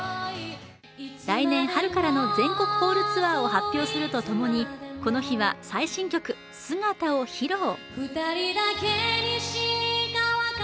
来年春からの全国ホールツアーを発表するとともに、この日は、最新曲「姿」を披露。